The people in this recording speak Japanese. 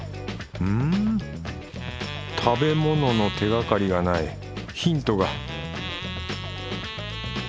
うん食べ物の手がかりがないヒントが